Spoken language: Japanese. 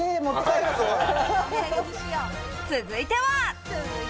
続いては。